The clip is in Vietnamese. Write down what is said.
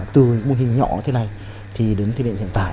từ mô hình nhỏ thế này đến thiết định hiện tại